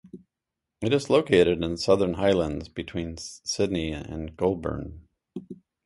It is located in the Southern Highlands between Sydney and Goulburn.